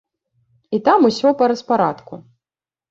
І там усё па распарадку.